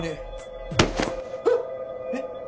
えっ？